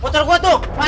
mama sama bapak sampai